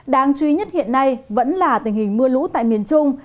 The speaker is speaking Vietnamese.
đáng chú ý nhất hiện nay vẫn là tình hình mưa lũ tại miền trung